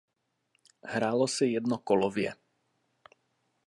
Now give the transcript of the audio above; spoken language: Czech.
Hrálo se jednokolově.